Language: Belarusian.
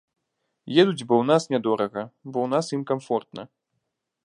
Едуць бо ў нас нядорага, бо ў нас ім камфортна.